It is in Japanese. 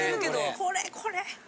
これこれ！